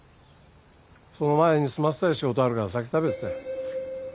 その前に済ませたい仕事あるから先食べてて。